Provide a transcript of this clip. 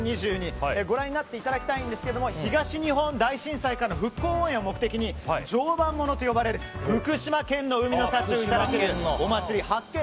ご覧になっていただきたいんですが東日本大震災からの復興応援を目的に常磐ものと呼ばれる福島県の海の幸をいただけるお祭り発見！